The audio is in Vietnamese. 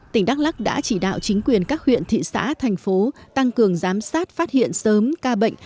tỉnh đắk lắc đã chỉ đạo chính quyền các huyện thị xã thành phố tăng cường giám sát phát hiện sớm ca bệnh